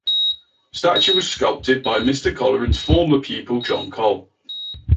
The statue was sculpted by Mr Colleran's former pupil John Coll.